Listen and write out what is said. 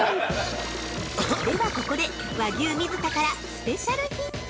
◆ではここで、和牛水田からスペシャルヒント！